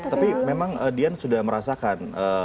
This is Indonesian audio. tapi memang dian sudah merasakan